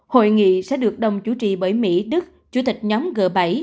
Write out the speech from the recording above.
hội nghị sẽ được đồng chủ trì bởi mỹ đức chủ tịch nhóm g bảy